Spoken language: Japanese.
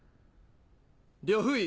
呂不韋